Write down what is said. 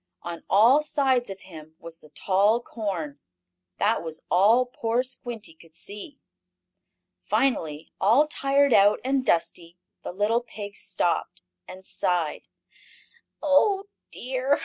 On all sides of him was the tall corn. That was all poor Squinty could see. Finally, all tired out, and dusty, the little pig stopped, and sighed: "Oh dear!